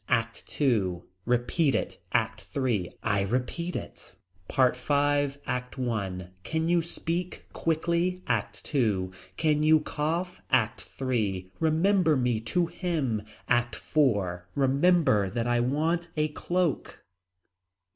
ACT II. Repeat it. ACT III. I repeat it. PART V. ACT I. Can you speak quickly. ACT II. Can you cough. ACT III. Remember me to him. ACT IV. Remember that I want a cloak.